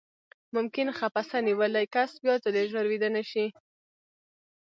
ممکن خپسه نیولی کس بیاځلې ژر ویده نه شي.